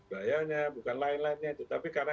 gayanya bukan lain lainnya itu tapi karena